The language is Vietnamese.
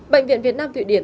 bệnh viện việt nam thụy điển